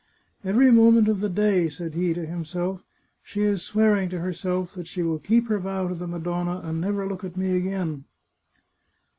" Every moment of the day," said he to himself, " she is swearing to herself that she will keep her vow to the Madonna, and never look at me again."